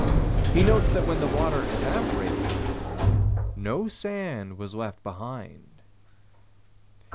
He notes that when the water evaporated, no sand was left behind.